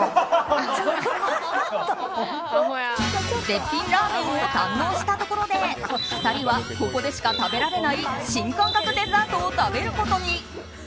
絶品ラーメンを堪能したところで２人は、ここでしか食べられない新感覚デザートを食べることに。